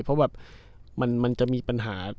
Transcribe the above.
เพราะแบบมันจะมีปัญหา